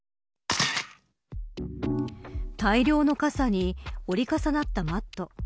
大量の傘に折り重なったマット。